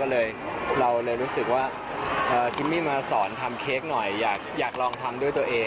ก็เลยเราเลยรู้สึกว่ากิมมี่มาสอนทำเค้กหน่อยอยากลองทำด้วยตัวเอง